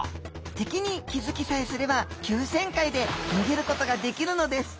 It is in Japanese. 敵に気付きさえすれば急旋回で逃げることができるのです。